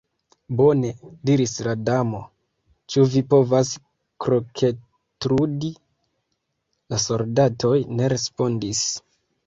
"Bone," diris la Damo.—"Ĉu vi povas kroketludi?" La soldatoj ne respondis.